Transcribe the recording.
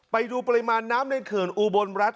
ไปดูปริมาณน้ำในเขื่อนอุบลรัฐ